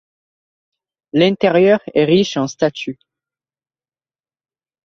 L'intérieur est riche en statues.